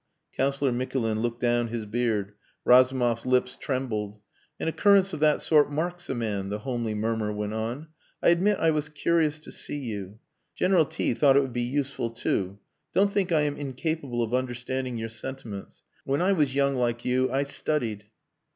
Councillor Mikulin looked down his beard. Razumov's lips trembled. "An occurrence of that sort marks a man," the homely murmur went on. "I admit I was curious to see you. General T thought it would be useful, too.... Don't think I am incapable of understanding your sentiments. When I was young like you I studied...."